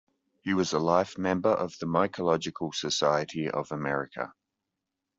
He was a life member of the Mycological Society of America.